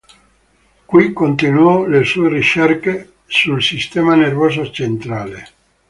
Qui continuò le sue ricerche sul sistema nervoso centrale.